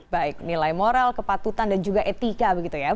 baik nilai moral kepatutan dan juga etika begitu ya